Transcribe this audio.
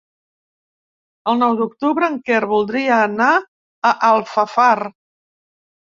El nou d'octubre en Quer voldria anar a Alfafar.